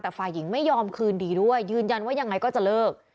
แต่ฝ่ายหญิงไม่ยอมคืนดีด้วยยืนยันว่ายังไงก็จะเลิก